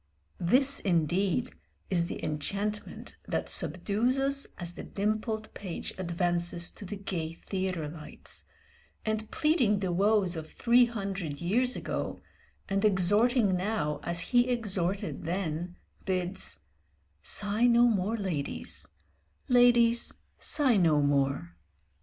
This indeed is the enchantment that subdues us as the dimpled page advances to the gay theatre lights, and pleading the woes of three hundred years ago, and exhorting now as he exhorted then, bids "Sigh no more, ladies; ladies, sigh no more."